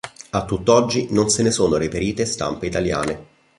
A tutt'oggi non se ne sono reperite stampe italiane.